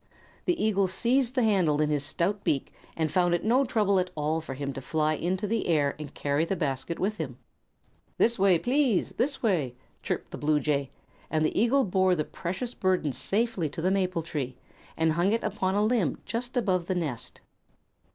The eagle seized the handle in his stout beak and found it was no trouble at all for him to fly into the air and carry the basket with him. "This way, please this way!" chirped the bluejay; and the eagle bore the precious burden safely to the maple tree, and hung it upon a limb just above the nest.